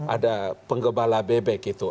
ada penggebala bebek itu